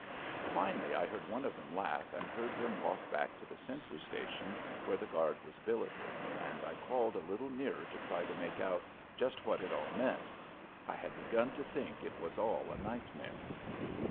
Finally I heard one of them laugh and heard him walk back to the sentry station where the guard was billeted, and I crawled a little nearer to try to make out just what it all meant. I had begun to think it was all a nightmare.